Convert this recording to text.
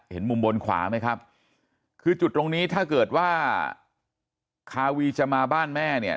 เห็นมุมบนขวาไหมครับคือจุดตรงนี้ถ้าเกิดว่าคาวีจะมาบ้านแม่เนี่ย